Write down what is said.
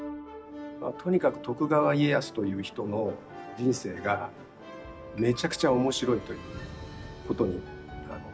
とにかく徳川家康という人の人生がめちゃくちゃ面白いということに尽きるんですけど。